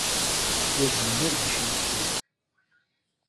Ula d yiwen ur d-yeclig seg-s.